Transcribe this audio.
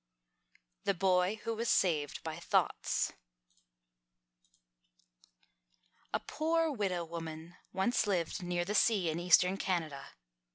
THE BOY WHO WAS SAVED BY THOUGHTS A poor widow woman once lived near the sea in Eastern Canada.